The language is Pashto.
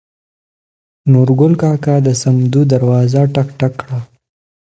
نورګل کاکا د سمدو دروازه ټک ټک کړه.